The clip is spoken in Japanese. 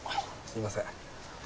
すいません。